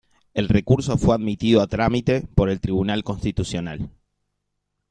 El recurso fue admitido a trámite por el Tribunal Constitucional.